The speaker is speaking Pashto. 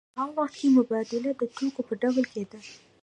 په هغه وخت کې مبادله د توکو په ډول کېدله